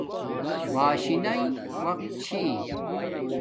باشی ناݵ وقت چھی